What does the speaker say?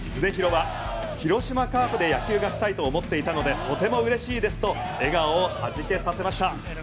広島カープで野球がしたいと思っていたのでとても嬉しいですと笑顔をはじけさせました。